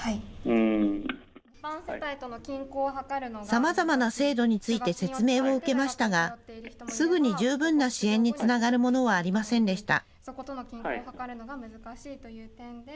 さまざまな制度について説明を受けましたがすぐに十分な支援につながるものはありませんでした。